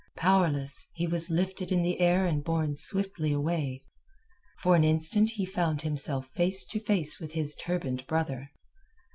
Powerless, he was lifted in the air and borne swiftly away. For an instant he found himself held face to face with his turbaned brother.